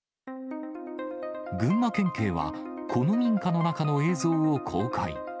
群馬県警は、この民家の中の映像を公開。